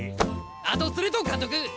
あとそれと監督。